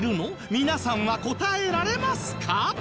皆さんは答えられますか？